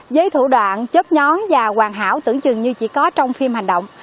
với thủ đoạn chấp nhóm và hoàn hảo tưởng chừng như chỉ có trong phim hành động